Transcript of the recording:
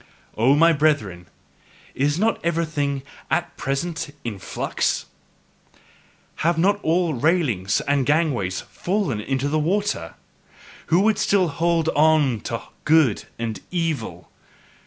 O my brethren, is not everything AT PRESENT IN FLUX? Have not all railings and gangways fallen into the water? Who would still HOLD ON to "good" and "evil"?